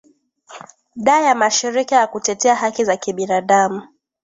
da ya mashirika ya kutetea haki za kibinadamu